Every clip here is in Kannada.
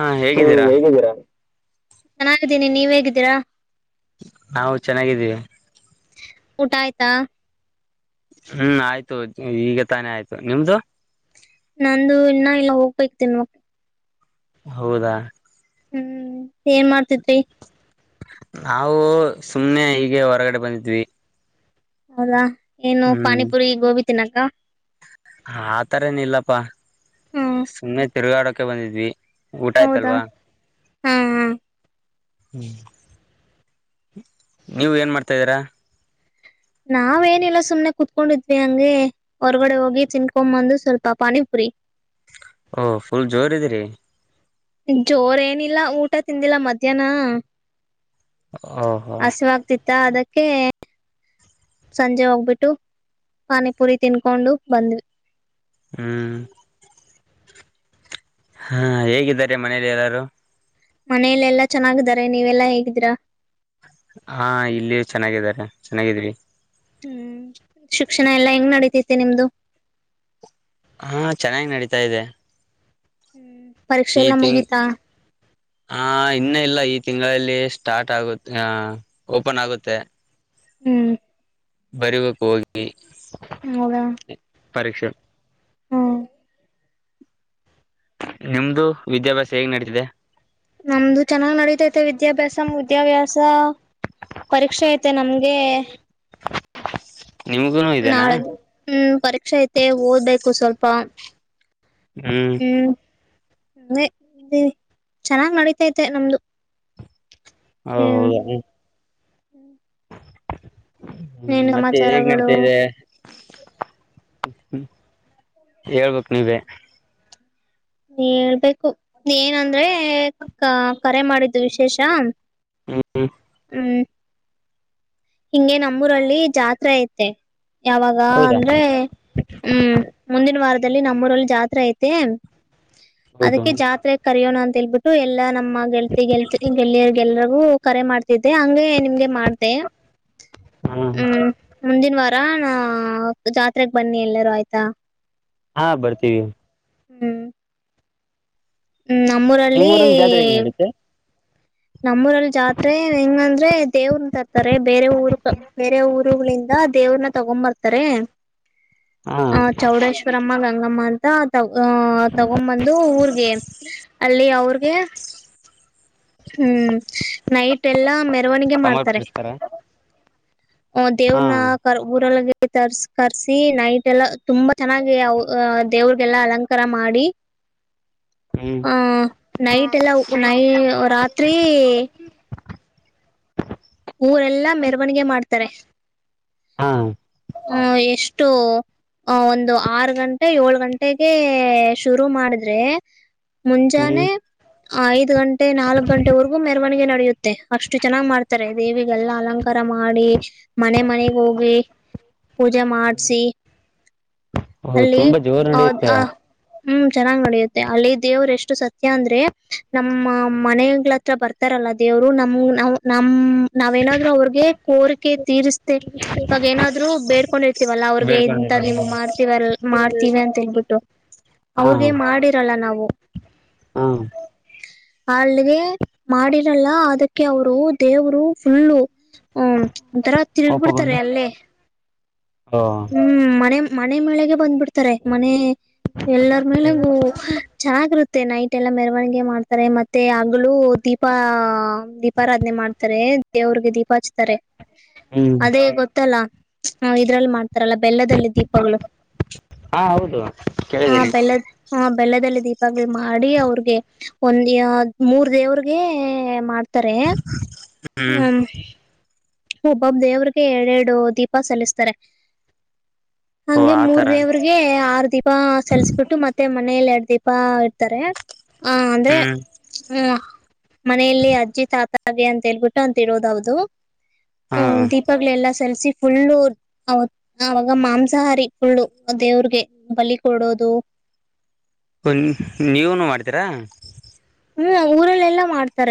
ಹಾ ಹೇಗಿದ್ದೀರಾ [inaudible] ಯಗಿದ್ದರಾಮ. ಚೆನ್ನಾಗಿದ್ದೀನಿ ನೀವ್ ಹೇಗಿದ್ದೀರಾ. ನಾವು ಚೆನ್ನಾಗಿದ್ದೀವಿ ಊಟಾಯತಾ. ಹ್ಮ್ ಆಯ್ತು ಈಗ ತಾನೇ ಆಯ್ತು ನಿಮ್ದು. ನಂದು ಇನ್ನ ಇಲ್ಲ ಹೋಗ್ಬೇಕ ತಿನ್ವ. ಹೌದಾ. ಹ್ಮ್ ಏನ್ ಮಾಡ್ತಿದರಿ. ನಾವು ಸುಮ್ನೆ ಹೀಗೆ ಹೊರಗಡೆ ಬಂದಿದ್ವಿ. ಹೌದಾ. ಏನು ಪಾನಿಪುರಿ ಗೋಬಿ ತ್ತಿನಕ್ಕ. ಆತರೇನ ಇಲ್ಲಪ್ಪಾ ಹ್ಮ್ ಸುಮ್ಮನೆ ತಿರುಗಾಡಕೆ ಬಂದಿದ್ವಿ. ಊಟ ಹೌದಾ ಆಯ್ತಲ್ವಾ. ಹಾ ಹಾ ಹ್ಮ್ ನೀವ ಏನ್ ಮಾಡ್ತಾದೀರಾ. ನಾವೇಏನಿಲ್ಲ ಸುಮ್ನೆ ಕುತ್ಕೊಂಡಿದ್ವಿ ಹಂಗೆ ಹೊರ್ಗಡೆ ಹೋಗಿ ತಿನ್ಕೊ ಬಂದು ಸ್ವಲ್ಪ ಪಾನಿಪುರಿ. ಓಹ್ ಫುಲ್ ಜೋರ್ ಇದೀರಿ ಜೋರ ಏನಿಲ್ಲ ಊಟ ತಿಂದಿಲ್ಲ ಮಧ್ಯಾಹ್ನ. ಓಹೋ. ಆತ್ತ ಅದಕ್ಕೆ ಸಂಜೆ ಹೋಗ್ಬಿಟ್ಟು ಪಾನಿಪುರಿ ತಿನ್ಕೊಂಡು ಬಂದ್ವಿ. ಹ್ಮ್. ಹಾ ಹೇಗಿದ್ದಾರೆ ಮನೇಲಿ ಎಲ್ಲಾರು. ಮನೇಲೆ ಎಲ್ಲಾ ಚೆನ್ನಾಗಿದ್ದಾರೆ ನೀವೆಲ್ಲಾ ಹೇಗಿದ್ದೀರಾ. ಹಾ ಇಲ್ಲಿ ಚೆನ್ನಾಗಿದ್ದಾರೆ ಚೆನ್ನಾಗಿ [inaudible] ಹ್ಮ್ ಶಿಕ್ಷಣ ಎಲ್ಲಾ ಹೆಂಗ್ ನಡತೈತಿ ನಿಮ್ದು. ಹಾ ಚೆನ್ನಾಗಿ ನಡತಾ ಇದೆ. ಹ್ಮ್. ಪರೀಕ್ಷೆ ಈ ಎಲ್ಲ ತಿಂಗ್ ಮುಗೀತಾ. ಆ ಇನ್ನ ಇಲ್ಲ ಈ ತಿಂಗಳಲ್ಲಿ ಸ್ಟಾರ್ಟ್ ಆಗ ಓಪನ್ ಆಗುತ್ತೆ ಹ್ಮ್. ಬರಿಬೇಕಕ್ ಹೋಗಿ. ಹೌದಾ. [inaudible] ಪರೀಕ್ಷೆ. ಹ್ಮ್. ನಿಮ್ದು ವಿದ್ಯಾಭ್ಯಾಸ ಹೇಗ್ ನಡಿತಿದೆ. ನಮ್ದು ಚೆನ್ನಾಗ್ ನಡೀತೈತೆ. ವಿದ್ಯಾಭ್ಯಾಸ ಮುದ್ಯಾಭ್ಯಾಸ ಪರೀಕ್ಷೆ ಐತೆ ನಮ್ಗೇ. ನಿಮ್ಗುನು ಇದೆನಾ ನಾಳೆ ಹ್ಮ್ ಪರೀಕ್ಷೆ ಐತೆ ಓದ್ಬೇಕು ಸ್ವಲ್ಪ. ಹ್ಮ್. ಮೆ ಹೇ ಚೆನ್ನಾಗ್ ನಡಿತೈತೆ ನಮ್ದು. ಹಾ ಹ್ಮ್ ಹೌದಾ. ಏನ್ ಸಮಾಚಾರಗಳು. ಹ್ಮ್ ಹೇಳ್ಬೇಕ್ ನೀವೇ. ಹೇಳ್ಬೇಕು ಏನಂದ್ರೇ ಕ ಕರೆ ಮಾಡಿದ್ದು ವಿಶೇಷ. ಹ್ಮ್ ಹ್ಮ್. ಹ್ಮ್. ಹಿಂಗೆ ನಮ್ಮೂರಲ್ಲಿ ಜಾತ್ರೆ ಐತೆ. ಯಾವಗಾ ಹೌದಾ ಅಂದ್ರೆ ಹ್ಮ್ ಮುಂದಿನ ವಾರದ ದಲ್ಲಿ ನಮ್ಮೂರಲ್ಲಿ ಜಾತ್ರೆ ಐತೇ. ಹೌದು ಅದಕ್ಕೆ ಜಾತ್ರೆಕ್ ಕರಿಯೋಣಾ ಅಂತ್ ತಿಳ್ಬಿಟ್ಟು ಎಲ್ಲಾ ನಮ್ಮ ಮ್ಮ ಗೆಲ್ತಿ ಗೆಲ್ತಿ ಗೆಲ್ಲಿಯರ್ಗೆಲ್ಲಾ ಹೂ ಕರೆ ಮಾಡ್ತಿದ್ದೆ ಹಂಗೇ ನಿಮ್ಗೆ ಮಾಡ್ದೆ. ಹ ಹ್ಮ್ ಮುಂದಿನ್ ವಾರ್ ಡಾನೂ ಜಾತ್ರೆಗ್ ಬನ್ನಿ ಎಲ್ಲರು ಆಯ್ತ. ಹಾ ಬರ್ತೀವಿ. ಹ್ಮ್. ಹ್ಮ್ ನಿಮ್ ನಮ್ಮೂರಲ್ಲೀ. ಊರಲ್ಲಿ ಜಾತ್ರೆ ಹೆಂಗ್ ನಡುತ್ತೆ ನಮ್ಮೂರಲ್ಲಿ ಜಾತ್ರೆ ಹೆಂಗಂದ್ರೆ ದೇವುರ್ನ್ ತರ್ತರೆ ಬೇರೆ ಊರುಕ ಬೇರೆ ಊರುಗಳಿಂದ ದೇವುರ್ನ್ನ ತಗೊನ್ಬರ್ತಾರೆ ಹಾ ಹ ಚೌಡೇಶ್ವರಮ್ಮ ಗಂಗ್ ಹಂಗಮ್ಮ ಅಂತಾ ತ ಆ ತಗೊಂಬಂದು ಊರ್ಗೆ ಅಲ್ಲಿ ಅವ್ರ ಹೇ. ಹ್ಮ್ ಹಾ ನೈಟ್ ಎಲ್ಲಾ ಮೆರ್ ಮೆರ್ವಣಿಗೆ ಮಾಡ್ತರೆ. ಸಮರ್ಪಿಸ್ತಾರ ಹು ಹಾ ದೇವ್ರನ್ನಾ ಕರ್ ಊರಲ್ ಇರ್ ಇ ತರ್ ಕರ್ಸಿ ನೈಟ್ ಎಲ್ಲ ತುಂಬಾ ಚೆನ್ನಾಗಿ ಅವ್ ಆ ದೇವ್ರಿಗೆಲ್ಲಾ ಅಲಂಕಾರ ಮಾಡಿ. ಹ್ಮ್ ಹಾ ನೈಟೆಲ್ಲ ಉಕು ನೈ ಉ ರಾತ್ರೀ. ಊರೆಲ್ಲಾ ಮೆರವಣಿಗೆ ಮಾಡ್ತಾರೆ ಹಾ ಹು ಎಷ್ಟು ಒಂದು ಆರು ಗಂಟೆ ಏಳ್ ಗಂಟೆಗೆ ಶುರು ಮಾಡಿದ್ರೆ ಹ್ಮ್ ಮುಂಜಾನೆ ಐದ್ ಗಂಟೆ ನಾಲ್ಕ್ ಗಂಟೆವರೆಗೂ ಮೆರವಣಿಗೆ ನಡ್ ಡಿಯುತ್ತೆ ಅಷ್ಟು ಚೆನ್ನ್ಗ್ ಮಾಡ್ ತಾರೆ ದೇವಿಗೆಲ್ಲ ಅಲಂಕಾರ ಮಾಡಿ ಮನೆ ಮನೆಗೆ ಹೋಗಿ ಪೂಜೆ ಮಾಡ್ಸಿ ಓ ಅಲ್ಲಿ ತುಂಬಾ ಜೋರ್ ಆ ನಡಿಯುತ್ತೆ ಆ ಹ್ಮ್ ಚೆನ್ನಾಗ್ ನಡೆಯುತ್ತೆ ಅಲ್ಲಿ ದೇವರು ಎಷ್ಟು ಸತ್ಯ ಅಂದ್ರೆ ನಮ್ಮ ಮನೆಗಲತ್ರ ಬರ್ತಾರಲ್ಲ ದೇವ್ರು ನಮ್ ನಾವ್ ನಮ್ ನಾವೇನಾದ್ರು ಅವ್ರಗೆ ಕೋರಿಕೆ ತೀರಿಸ್ದೆ ಇವಾಗ ಏನಾದ್ರು ಬೇಡ್ಕೊಂಡಿರ್ತೀವಲ್ಲ ಅವ್ರಗೆ ಇಂತಾದ್ ಬೇಡ್ಕೊಂಡಿದ್ದಾರೆ ನಿಮ್ಗ್ ಮಾಡ್ತವ ಮಾಡ್ತೀವಿ ಅಂತ ಹೇಳ್ಬಿಟ್ಟು ಹಾ ಅವ್ರಗೆ ಮಾಡಿರಲ್ಲ ನಾವು ಹಾ ಅಲ್ಲಿಗೆ ಮಾಡಿರಲ್ಲ ಅದಕ್ಕೆ ಅವರು ದೇವರು ಫುಲ್ಲು ಹ್ಮ ಒಂತರ ತಿರುಗ್ಬಿಡ್ತಾರೆ ಕೋಪಗೊಂಡು ಅಲ್ಲೇ ಓ ಹ್ಮ್ ಮನೆ ಮನೆ ಮೇಳೆಗೆ ಬಂದ್ಬಿಡ್ತಾರೆ ಮನೆ ಎಲ್ಲರ ಮೇಲೊ ಜಾಗೃತಿ ಮತ್ತೆ ನೈಟ್ ಎಲ್ಲ ಮೆರವಣಿಗೆ ಮಾಡ್ತಾರೆ ಮತ್ತೆ ಹಗ್ಲು ದೀಪ ದೀಪಾರಾಧನೆ ಮಾಡ್ತಾರೆ ದೇವ್ರಿಗೆ ದೀಪ ಹಚ್ತಾರೆ ಹ್ಮ್ ಅದೇ ಗೊತ್ತಲ್ಲ ಹಾ ಇದ್ರಲ್ಲಿ ಮಾಡ್ತ ತರಲ್ಲ ಬೆಲ್ಲದಲ್ಲಿ ದೀಪಗಳು ಹಾ ಹೌದು ಆ ಕೇಳಿದ್ದೀನಿ ಬೆಲ್ಲದ ಆ ಬೆಲ್ಲದಲ್ಲಿ ದೀಪಗಳ್ ಮಾಡಿ ಅವ್ರಿಗೆ ಒಂದ ಯ ಮೂರ್ ದೇವ್ರಿಗೆ ಮಾಡ ತ್ತಾರೆ ಹ್ಮ್ ಹ್ಮ ಒಬ್ಬೊಬ್ ದೇವ್ರಿಗೆ ಎರಡೆರಡು ದೀಪ ಸಲ್ಲಿಸ್ತಾರೆ ಓ ಹಂಗೆ ಮೂರ್ ಆತರ ದೇವ್ರಿಗೆ ಆರ್ ದೀಪ ಸಲ್ಸ್ಬಿಟ್ಟು ಮತ್ತೆ ಮ ಮನೇೆಯಲ್ಲಿ ಎರಡು ದೀಪ ಇರ್ತಾರೆ ಹ ಅಂದ್ರೆ ಹ್ಮ್ ಹ ಮನೆಯಲ್ಲಿ ಅಜ್ಜಿ ತಾತ ಹಾಗೆ ಅಂತ ಹೇಳ್ಬಿಟ್ಟು ಅಂತಿರೋದು ಹೌದು ಹ್ಮ ಹಾ ದೀಪಗ್ಳ ಎಲ್ಲಾ ಸಲ್ಸಿ ಫುಲ್ಲು ಅವತ್ ಆಗ ಮಾಂಸಾಹಾರಿ ಫುಲ್ಲು ದೇವ್ರಿಗೆ ಬಲಿ ಕೊಡೋದು ಒ ನೀವನು ಮಾಡ್ತೀರಾ ಹ್ಮ್ ಊರಲ್ಲೆಲ್ಲಾ ಮಾಡ್ತ..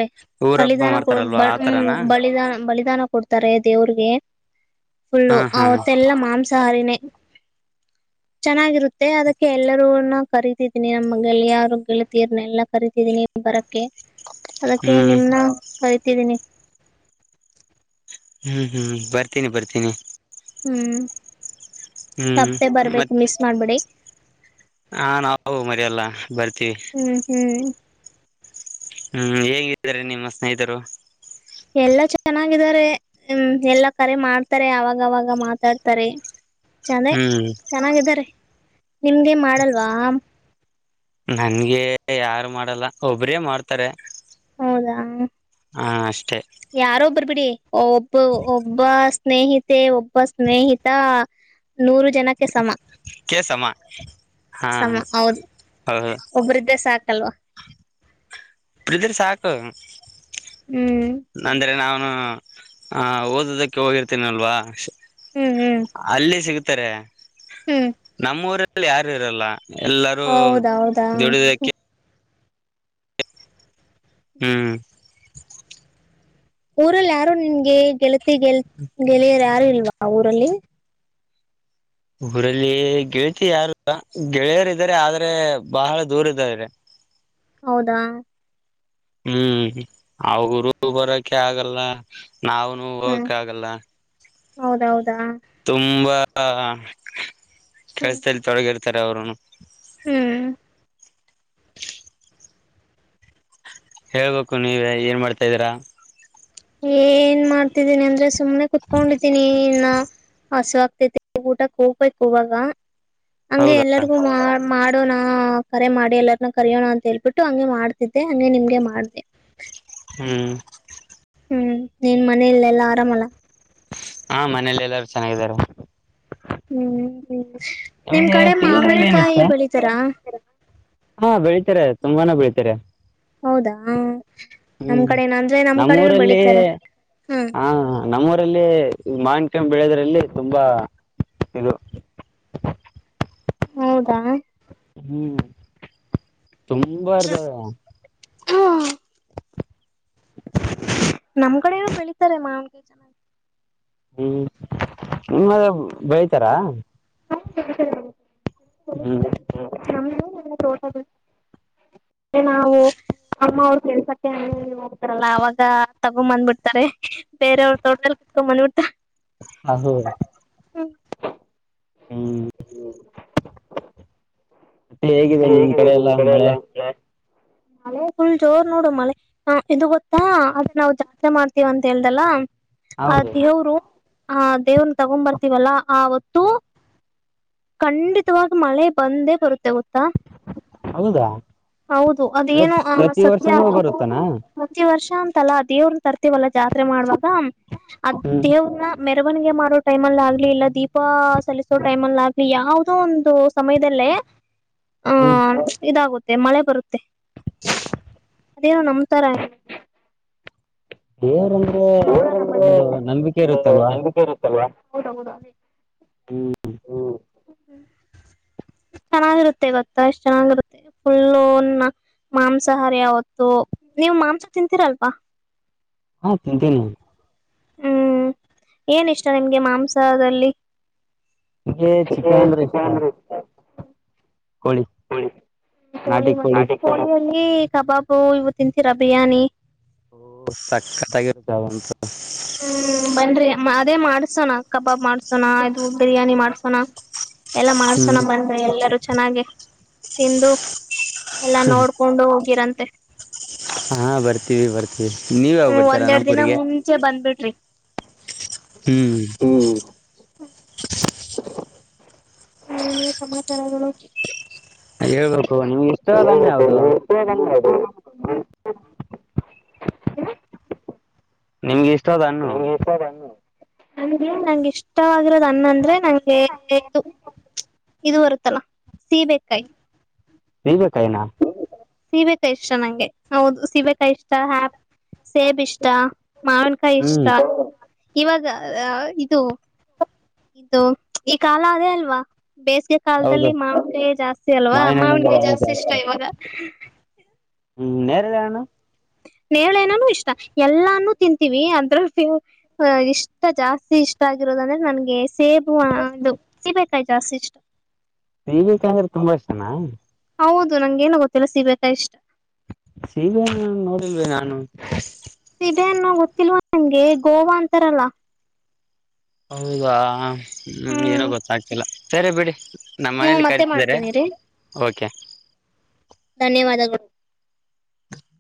ಊರ ಹಬ್ಬ ಬಲಿದಾನ ಹೂ ಮಾಡ್ತಾರಲ್ವಾ ಆತರನಾ ಬಲಿದಾನ ಬ ವಿಧಾನ ಕೊಡ್ತಾರೆ ದೇವ್ರಿಗೆ ಫುಲ್ಲು ಹಾ ಹಾ ಅವವತ್ತೆಲ್ಲಾ ಮಾಂಸಾಹಾರಿನೇ [unintelligible] ಚೆನ್ನಾಗಿರುತ್ತೆ ಅದಕ್ಕೆ ಎಲ್ಲರೂನ್ನ ಕರೀತಿದ್ದೀನಿ ನಮ್ಮ ಗೆಳೆಯಾರೂ ಗೆಳತೀರ್ನೆ ಎಲ್ಲ ಕರೀತಿದ್ದೀನಿ ಬರಕ್ಕೆ ಅದಕ್ಕೆ ಹ್ಮ್ ನಿಮನ್ನ ಕರಿ.... ತಿರುನಿ ಹ್ಮ್ ಹ್ಮ್ ಬರ್ತೀನಿ ಬರ್ತೀನಿ ಹೂ ಹ್ಮ್ ತಪ್ಪದೆ ಬರ್ಬೇಕು ಮತ್ ಮಿಸ್ ಮಾಡ್ಬಿಡಿ ಹಾ ನಾವು ಮರಿಯಲ್ಲ ಬರ್ತೀವಿ ಹ್ಮ್ ಹ್ಮ್ ಹ್ಮ್ ಹೇಗಿದ್ದಾರೆ ನಿಮ್ಮ ಸ್ನೇಹಿತರು ಎಲ್ಲಾ ಚೆನ್ನಾಗಿದ್ದಾರೆ ಹ ಎಲ್ಲಾ ಕರೆ ಮಾಡ್ತಾರೆ ಅವಾಗವಾಗ ಮಾತಾಡ್ತಾರೆ ಚೆನೆ ಹ್ಮ್ ಚೆನಾಗಿದ್ದರೆ ನಿಮ್ಮ್ಗೆಗೆ ಮಾಡಲ್ವಾ ನನ್ಗೆ ಯಾರು ಮಾಡಲ್ಲ ಒಬ್ರೇ ಮಾಡ್ತಾರೆ ಹೌದಾ ಹ ಅಷ್ಟೇ ಯಾರೊಬ್ಬರ್ ಬಿಡಿ ಒಬ್ಬ ಒಬ್ಬ... ಸ್ನೇಹಿತೆ ಒಬ್ಬ ಸ್ನೇಹಿತ ನೂರು ಜನಕ್ಕೆ ಸಮ ಕೇಸಮ್ಮ ಹಾ ಸಮ ಹೌದು ಹೌದು ಒಬ್ರಿದೆ ಸಾಕಲ್ವಾ ಇಬ್ಬರು ಇದ್ರೆ ಸಾಕ್ ಹ್ಮ್ ಹ ಹ ಓದದಕ್ಕೆ ಹೋಗಿರ್ತೇನಲ್ವಾ ಹ್ಮ್ ಹ್ಮ್ ಅಲ್ಲೇ ಸಿಗುತ್ತೆ... ತ್ತರ್ರ್ ಹ್ಮ್ ನಮ್ಮೂರ ಲ್ಲಿ ಯಾರು ಇರಲ್ಲ ಎಲ್ಲರೂ ಹೌದೌದಾ ದುಡುದಕ್ಕೆ ಹ್ಮ್ ಊರಲ್ಲಿ ಯಾರು ನಿನ್ಗೆ ಗೆಳತ್ ಗೆಲ್ತಿ ಗೆಳೆಯರ್ ಯಾರು ಇಲ್ವಾ ಅವರು ಲ್ಲಿ ಊರಲ್ಲಿ ಗೆಳತಿ ಯಾರು ಗೆಳೆಯರ ಇದಾರೆ ಆದ್ರೆ ಬಹಳ ದೂರ ಇದ್ದ್ರ. ಹೌದಾ. ಹ್ಮ್ ಅವುರು ಬರಕೆ ಆಗಲ್ಲ. ನಾವನು ಹೋಗಕ ಆಗಲ್ಲ. ಹೌದೌದು. ತುಂಬಾ. ಹ. ಹ್ಮ್ ಕೆಲ್ಸಲ್ಲಿ ತೊಡಗಿರ್ತ. ತರ ಅವ್ರನು. ಹ್ಮ್ ಹೇಳ್ಬೇಕು ನೀವ ಏನ್ ಮಾಡ್ತಾ ಇದೀರಾ. ಏನ್ ಮಾಡ್ತಿದ್ದೀನಿ ಅಂದ್ರೆ. ಸುಮನೆ ಕುೂತ್ಕೊಂಡಿದ್ದೀನಿ ಇನ್ನ. ಹಸು ಆಗ್ತೈತಿ ಊಟ ಕೂಪಯಕ್ ಹವಾಗ. ಹಗೆ ಹೌದಾ ಎಲ್ಲರಿಗೂ ಮಾಡ. ನಡು ನ ಕರೆ ಮಾಡಿ ಎಲ್ಲಾರನ್ನ ಕರಯೋಣ ಅಂತ ಹೇಳ್ಬಿಟ್ಟು ಹಂಗೆ ಮಾಡ್ತಿದ್ದೆ ಹಂಗೆ ನಿಮ್ಗೆ ಮಾಡ್ದ. ಹ್ಮ್. ಹ್ಮ್ ನೀನ್ ಮನ ಇಲ್ಲ ಎಲ್ಲಾ ಆರಾಮಲ್ಲ. ಹಾ ಮನೇೆಯಲ್ಲಿ ಎಲ್ಲಾರ ಚೆನ್ನಾಗಾರ. ಹ್ಮ್ ನಿಮ್ ನಿಮ್ಗೆ ಕಡೆ ತಿಳಿದ್ರಲ್ಲಿ ಏನ ಇಷ್ಟ ಮಾವನ್ಕಾಯಿ ಬೆಳಿತಾರಾ. ಹಾ ಬೆಳೀಿತಾರೆ ತುಂಬಾನ ಬೆಳೀಿತಾರೆ. ಹೌದಾ ನಮ್ ಹ್ಮ್ ಕಡೆನ ಅಂದ್ರೆ ನಮ್ ಕಡೆನು ನಮ್ಮೂಊರಲ್ಲಿ ಬೆಳಿತಾರೆ ಹ್ಮ್ ಹ ನಮ್ಮೂರಲ್ಲಿ. ಈ ಮಾನ್ಕ ಬೆಳೆದ್ರಲ್ಲಿ ತುಂಬಾ ಇದು. ಹೌದಾ. ಹ್ಮ್. ತುಂಬಾ ಇರ್ತದ. ಹ್ಮ ನಮ್ ಕಡೆನೋ ಬೆಳಿತಾರೆ ಮಾನ್ಕೈ ಜನ. ಹ್ಮ್ ನಿಮ್ಮ ಬೆಳತಾರಾ. ಹ್ಮ್. ಹ ನಾವು. ಅಮ್ಮ ಅವ್ರು ಕೆಲ್ಸಕ್ಕೆ ಹೋಗ್ತಾರಲ್ಲ ಅವಾಗ. ತಗೊಂಡ್ ಬಂದ್ಬಿಡ್ತಾರೆ ಬೇರವ್ರ ತೋಟಲ್ ಕತ್ಕೊಂಡ ಬಂದ್ಬಿಡ್ತ. ಹ ಹೋ. ಹ. ಹ್ಮ. ಮತ್ತೆ ಹೇಗಿದೆ ನಿಮ್ ಕಡೆ ಎಲ್ಲಾ ಮಳೆ. ಮಳೆ ಫುಲ್ ಜೋರ್ ನೋಡು ಮಳೆ ಹ ಇದು ಗೊತ್ತಾ ಆದ್ರೆ ನಾವು ಜಾತ್ರೆ ಮಾಡ್ತೀವ ಅಂತ ಹೇಳ್ದಲ್ಲ. ಅ ಹೌದು ದೇವರು. ಹ ದೇವ್ರನ್ನ ತಗೊ್ ಬರ್ತೀವಲ್ಲ ಆವತ್ತು ಖಂಡಿತವಾಗಿಾಗ ಮಳೆ ಬಂದೇ ಬರುತ್ತೆ ಗೋತ್ತಾ ದ ಹೌದು ಅದೇಏನು ಅ ಸತ್ಯ ಅ ಬರುತ್ತಾನಾ ಪ್ರತಿ ವರ್ಷ ಅಂತಲ್ಲ ದೇವ್ರನ್ ತರ್ತಿವಲ್ಲಾ ಜಾತ್ರೆ ಮಾಡುವಾಗ ಹ್ಮ್ ಅದೆವ್ರ್ನಾ ಮೇ ಮೆರವಣಿಗೆ ಮಾಡೋ ಟೈಮಲ್ಲಿ ಆಗ್ಲಿ ಇಲ್ಲ ದೀಪ ಸಲ್ಲಿಸೋ ಟೈಮ್ ಅಲ್ಲಿ ಆಗ್ಲಿ ಯಾವದೋ ಒಂದು ಸಮಯದಲ್ಲೇ ಹ ಹ್ಮ್ ಇದಾಗುತ್ತೆ ಮತ್ತೆ ಮಳೆ ಬರುತ್ತೆ ಅದೇನ ನಂಬತಾರೆ ಹೇಾರ [inaudible] ಒ ಇರುತ್ತಲ್ವಾ ನಂಬಿಕೆ ಇರುತ್ತಲ್ವಾ [inaudible] ಹೌದ ಹೌದ ಹ್ಮ್ ಹ್ಮ ಚೆನ್ನಾಗಿರುತ್ತೆ ಗೊತ್ತ ಎಷ್ಟ ಚೆನ್ನಾಗಿರುತ್ತೆ ಫುಲ್ಲುನ್ನ ಮಾಂಸಾಹಾರಿ ಯಾವತ್ತು ನೀವು ಮಾಂಸ ತಿಂತಿರಾಲ್ವಾ ಹಾ ತಿಂತೀನಿ ಹ್ಮ್ ಏನ ಇಷ್ಟ ನಿಮ್ಗೆ ಮಾಂಸದಲ್ಲಿ ನನ್ಗೆ ಚಿಕನ್ ಅಂದ್ರೆ ಇಷ್ಟ ಕೋಳಿ ಕೋಳಿ ಮೋಟ್ಟೆ ನಾಟಿಕೋಳಿ [inaudible] ಗೆ ಕಬಾಬು ಇವು ತಿಂತೀರಾ ಬಿರಿಯಾನಿ ಓ ಸಕ್ಕತ್ಗಿಿರುತ್ತ ಅವಂತ [inaudible] ಹ್ಮ್ ಬನ್ರೀ ಅದೇ ಮಾಡ್ಸೋಣ ಕಬಾಬ್ ಮಾಡ್ಸೋಣ ಅದು ಬಿರಿಯಾನಿ ಮಾಡ್ಸೋಣ ಎಲ್ಲಾ ಮಾಡ್ಸೋಣ ಹ್ಮ್ ಬಂದ್ರಿ ಎಲ್ಲರ ಚೆನ್ನಾಗೆ ತಿಂದು ಎಲ್ಲಾ ನೋಡ್ಕೊಂಡು ಹೋಗಿರಂತೆ ಹಾ ಬರ್ತೀವಿ ಬರ್ತೀವಿ ನೀವ್ ಯಾವಾಗ ಹ್ಮ ಬರ್ತಾರಾ ಒಂದೇರಡು ದಿನ ನಮ್ಮೂರಿಗೆ ಮುಂಚೆ ಬಂದ್ಬಿಡ್ರಿ ಹ್ಮ್. ಏನು ಸಮಾಚಾರಗಳು ಹೇಳ್ಬೇಕು ನಿಮ್ ಇಷ್ಟ ಅದನ್ನೆ ಹೇಳ್ಬೇಕು ಯಾವದು ನೀ [inaudible] ಹ [inaudible] ನಿಮ್ಗೆ ಇಷ್ಟ ಇಷ್ಟದನ್ನುು ಅಂಗೆ ನಂಗ ಇಷ್ಟವಾಗಿರ [inaudible] ಹಣ್ಣು ಅಂದ್ರೆ ನಂಗೆ [inaudible] ಇದು ಬರುತ್ತಾಲ್ಲ ಸೀಬೆ ಕಾಯಿ ನಿಂಭಿಕಾಯನ ಸೀಬೆಕಾಯಿ ಇಷ್ಟ ನಂಗೆ ಹೌದು ಸೇಬೆ ಕಾಯಿ ಇಷ್ಟ ಆಪ್ ಸೇಬ್ ಇಷ್ಟ. ಮಾವಿನಕಾಯಿ ಇಷ್ಟ. ಹ್ಮ್ ಇವಾಗ ಇದು ಇದು ಈ ಕಾಲ ಅದೇ ಅಲ್ವಾ. ಬೇಸಿಗೆ ಹೌದು ಕಾಲದಲ್ಲಿ ಮಾವಣಿಗೆ ಜಾಸ್ತಿ ಅಲ್ವಾ ಮಾವಿನ ಹಣ್ಣು ಅಂದ್ರೆ ಮಾವನಿಗೆ ಆಯ್ತು ಜಾಸ್ತಿ ಇಷ್ಟ ಅಷ್ಟೆ ಇವಾಗ. ಹ್ಮ್ ನರೆಲ್ಲಣ. ನೇಳೆನಾನ ಇಷ್ಟ ಎಲ್ಲಾನೂ ತಿಂತೀವಿ ಅದ್ರ ಇಷ್ಟ ಜಾಸ್ತಿ ಇಷ್ಟ ಆಗಿರೋದಂದ್ರೆ ನನ್ಗೆ ಸೇಬು ಅದು ಸೀಬೆ ಕೈ ಜಾಸ್ತಿ ಇಷ್ಟ. ಸಿಬೇಕಂದ್ರೆ ತುಂಬಾ ಇಷ್ಟನಾ. ಹೌದು ನಂಗಗೆೇನ ಗೊತ್ತಿಲ್ಲ ಸಿಬೇಕಾ ಇಷ್ಟ. ಸಿಬೆ ನೋಡಿಲ್ವ ನಾನು. ಇದೆನ್ನು ಹೋಗ್ತಿಲ್ವ ನಂಗೆ ಗೋವಾ ಅಂತಾರಲ್ಲ ಹೌದಾ ಹ್ಮ ಏನೋ ಹ್ಮ್ ಗೊತ್ತಾಗ್ತಿಲ್ಲ ಸರೆ ಬಿಡಿ. ನಮ್ಮ ಹ್ಮ್ ಮನೇಲಿ ಮತ್ತೆ ಕರಿತಿದ್ದಾರೆ ಮಾಡ್ತೀನಿ ರೀ ಓಕೆ. ಧನ್ಯವಾದಗಳು.